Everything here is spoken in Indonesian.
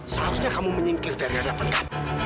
seharusnya kamu menyingkir dari hadapan kami